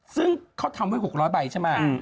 ซึ่งเขาทำไว้๖๐๐ใบใช่ไหม